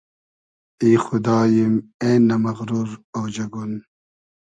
ای خوداییم اېنۂ مئغرور اۉجئگون